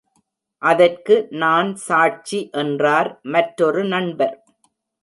அதற்கு நான் சாட்சி என்றார் மற்றொரு நண்பர்.